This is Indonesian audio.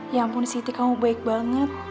ya ampun city kamu baik banget